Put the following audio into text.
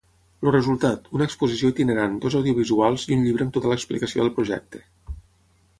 El resultat: una exposició itinerant, dos audiovisuals i un llibre amb tota l'explicació del projecte.